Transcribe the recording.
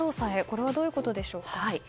これはどういうことでしょうか。